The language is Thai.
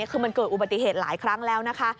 คือมันเกิดอุบัติเหตุหลายครั้งแล้วนะคะ